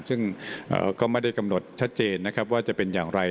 ซึ่งก็ไม่ได้กำหนดชัดเจนนะครับว่าจะเป็นอย่างไร